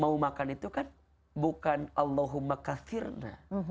mau makan itu kan bukan allahumma kafirna